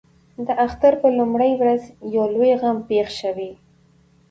د اختر پر لومړۍ ورځ یو لوی غم پېښ شوی.